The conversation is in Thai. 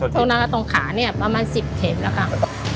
โชนร้านตรงขาเนี่ยประมาณ๑๐เทปแล้วครับ